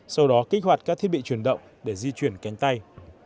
sau đó kích hoạt các thiết bị chuyển động để di chuyển cánh tay